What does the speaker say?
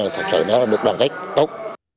thật sự nó được đoàn kết tốt